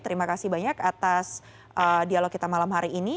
terima kasih banyak atas dialog kita malam hari ini